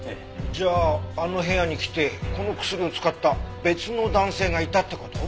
じゃああの部屋に来てこの薬を使った別の男性がいたって事？